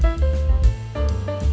tidak ada unwanted